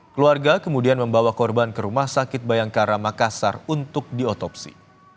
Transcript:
keluarga kemudian membawa korban ke rumah sakit bayangkara makassar untuk diotopsi